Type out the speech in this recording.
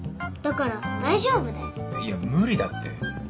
いや無理だって